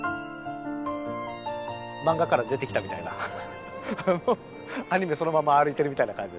漫画から出てきたみたいなアニメそのまま歩いているみたいな感じ。